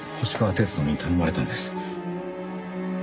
鐵道に頼まれたんです。